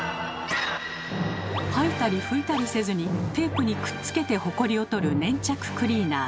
掃いたり拭いたりせずにテープにくっつけてホコリを取る粘着クリーナー。